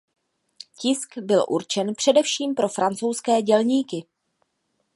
Tisk byl určen především pro francouzské dělníky.